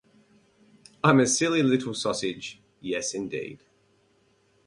I'm a silly little sausage, yes indeed.